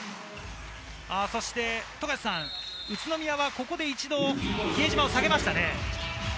そして、宇都宮はここで一度、比江島を下げましたね。